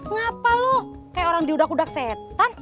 ngapa lo kayak orang diudak udak setan